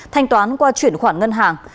thanh toán qua chuyển khoản ngân hàng